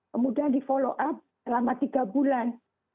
kemudian di follow up selama tiga bulan